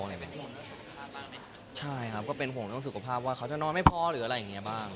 เป็นห่วงเรื่องสุขภาพบ้างไหมครับใช่ครับก็เป็นห่วงเรื่องสุขภาพว่าเขาจะนอนไม่พอหรืออะไรอย่างเงี้บ้าง